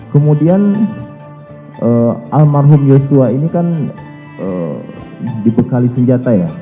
kemudian almarhum yosua ini kan dibekali senjata ya